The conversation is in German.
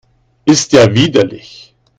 Ist ja widerlich!